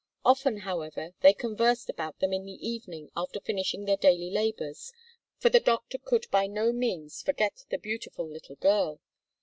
Often, however, they conversed about them in the evening after finishing their daily labors, for the doctor could by no means forget the beautiful little girl.